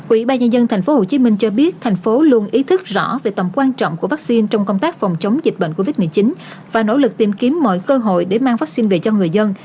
ủy ban nhân dân tp hcm cho biết thành phố luôn ý thức rõ về tầm quan trọng của vaccine trong công tác phòng chống dịch bệnh covid một mươi chín và nỗ lực tìm kiếm mọi cơ hội để mang vaccine về cho người dân